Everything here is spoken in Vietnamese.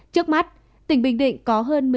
trước mắt tỉnh bình định có hơn một mươi một vùng